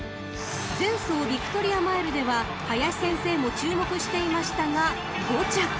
［前走ヴィクトリアマイルでは林先生も注目していましたが５着］